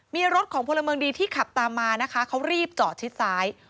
มีรถของพลเมืองดีที่ขับตามมานะคะเขารีบจอดชิดซ้าย